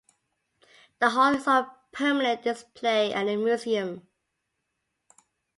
The Hall is on permanent display at the Museum.